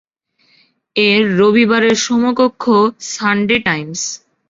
এর রবিবারের সমকক্ষ "সানডে টাইমস"।